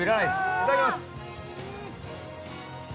いただきます。